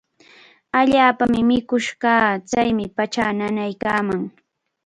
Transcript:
Allaapami mikush kaa. Chaymi pachaa nanaykaaman.